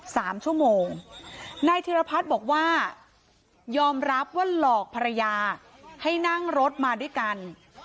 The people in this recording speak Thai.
สามชั่วโมงนายธิรพัฒน์บอกว่ายอมรับว่าหลอกภรรยาให้นั่งรถมาด้วยกัน